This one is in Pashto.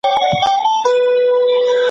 د عاطفي څرګندونې ظرفیت د سندرو له لارې زیاتېږي.